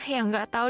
yang gak tau dimana